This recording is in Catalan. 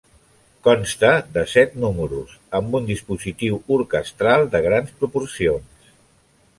Consta de set números amb un dispositiu orquestral de grans proporcions.